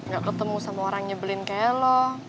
gak ketemu sama orangnya belin kayak lo